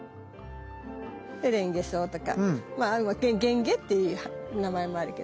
でレンゲソウとかゲンゲっていう名前もあるけどね。